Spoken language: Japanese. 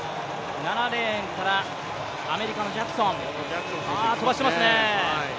７レーンからアメリカのジャクソン飛ばしてますね。